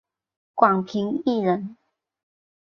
广平酂人。